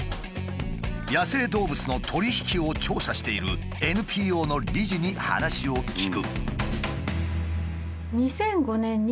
野生動物の取り引きを調査しているＮＰＯの理事に話を聞く。